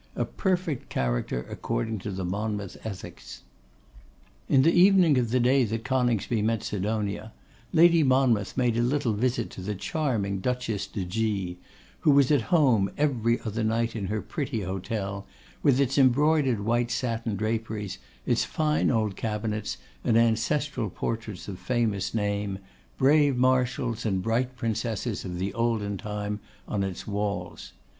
A perfect character according to the Monmouth ethics. In the evening of the day that Coningsby met Sidonia, Lady Monmouth made a little visit to the charming Duchess de G t who was 'at home' every other night in her pretty hotel, with its embroidered white satin draperies, its fine old cabinets, and ancestral portraits of famous name, brave marshals and bright princesses of the olden time, on its walls.